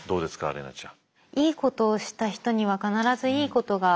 怜奈ちゃん。